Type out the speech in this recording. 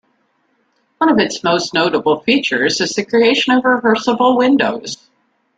One of its most notable features is the creation of reversible windows.